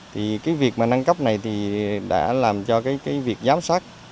thì cái việc mà nâng cấp này thì đã làm cho cái việc giám sát